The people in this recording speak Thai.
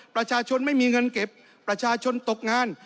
ประชาชนไม่มีเงินเก็บประชาชนตกงาน